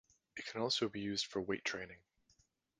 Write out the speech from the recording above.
It can also be used for weight training.